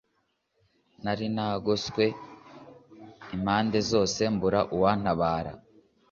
Nari nagoswe impande zose, mbura uwantabara,